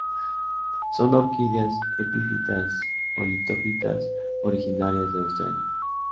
Son orquídeas epífitas o litófitas originarias de Australia.